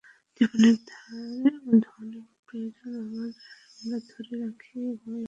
জীবনের ধন এবং প্রিয়জন, আমরা ধরে রাখি এবং লালন করি।